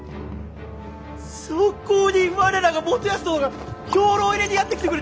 そこに我らが元康殿が兵糧入れにやって来てくれた！